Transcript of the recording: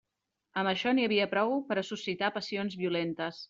Amb això n'hi havia prou per a suscitar passions violentes.